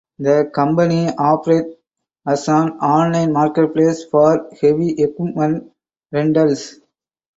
The company operates as an online marketplace for heavy equipment rentals.